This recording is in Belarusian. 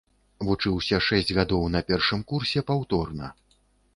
Вучыўся шэсць гадоў, на першым курсе паўторна.